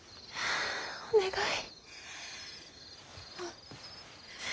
お願い。